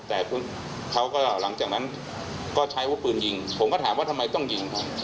แต่เขาก็หลังจากนั้นก็ใช้วุธปืนยิงผมก็ถามว่าทำไมต้องยิง